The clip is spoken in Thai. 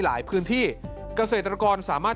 หลายพื้นที่เกษตรกรสามารถ